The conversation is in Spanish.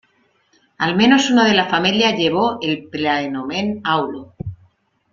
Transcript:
Al menos uno de la familia llevó el praenomen Aulo.